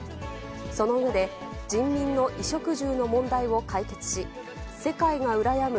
その上で、人民の衣食住の問題を解決し、世界が羨む